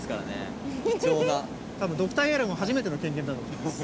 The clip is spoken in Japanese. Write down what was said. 多分ドクターイエローも初めての経験だと思います。